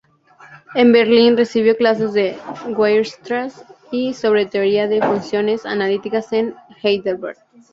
En Berlín recibió clases de Weierstrass, y sobre teoría de funciones analíticas en Heidelberg.